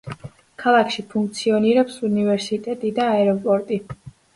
ქალაქში ფუნქციონირებს უნივერსიტეტი და აეროპორტი.